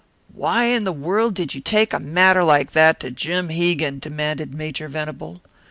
"Why in the world did you take a matter like that to Jim Hegan?" demanded Major Venable.